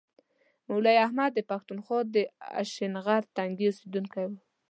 مولوي احمد د پښتونخوا د هشتنغر تنګي اوسیدونکی و.